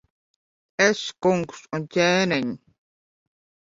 Es, kungs un ķēniņ!